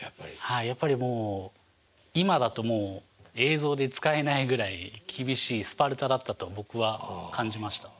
はいやっぱりもう今だともう映像で使えないぐらい厳しいスパルタだったと僕は感じました。